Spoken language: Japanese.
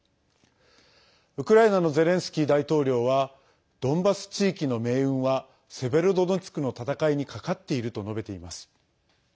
ウクライナのゼレンスキー大統領はドンバス地域の命運はセベロドネツクの戦いにかかっていると述べています。